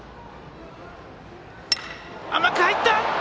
甘く入った！